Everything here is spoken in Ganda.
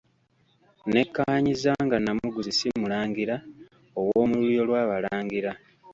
Nnekkaanyizza nga Nnamuguzi si mulangira ow'omu lulyo lw'Abalangira.